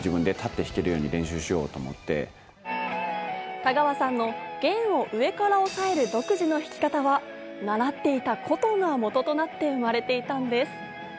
田川さんの弦を上から押さえる独自の弾き方は習っていた琴がもととなって生まれていたんです。